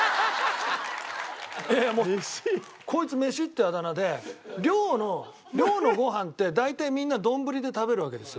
いやいやもうこいつ飯ってあだ名で寮の寮のご飯って大体みんな丼で食べるわけですよ。